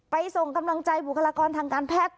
ส่งกำลังใจบุคลากรทางการแพทย์